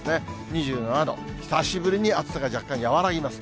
２７度、久しぶりに暑さが若干和らぎます。